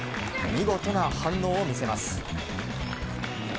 見事な反応を見せます。